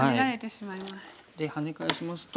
でハネ返しますと。